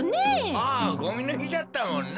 ああゴミのひじゃったもんな。